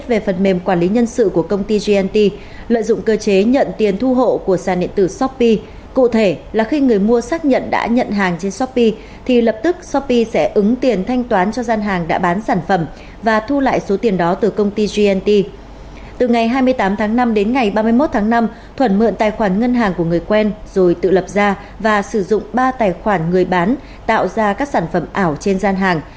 từ ngày hai mươi tám tháng năm đến ngày ba mươi một tháng năm thuần mượn tài khoản ngân hàng của người quen rồi tự lập ra và sử dụng ba tài khoản người bán tạo ra các sản phẩm ảo trên gian hàng